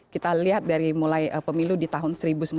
kita lihat dari mulai pemilu di tahun seribu sembilan ratus sembilan puluh